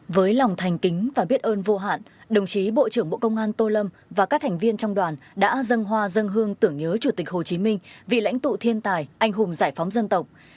với lòng thành kính và biết ơn vô hạn đồng chí bộ trưởng bộ công an tô lâm và các thành viên trong đoàn đã dâng hoa dân hương tưởng nhớ chủ tịch hồ chí minh vị lãnh tụ thiên tài anh hùng giải phóng dân tộc